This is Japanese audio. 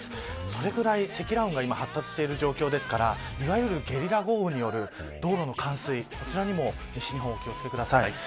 それぐらい積乱雲が発達している状況ですからいわゆるゲリラ豪雨による道路の冠水こちらにも西日本お気を付けください。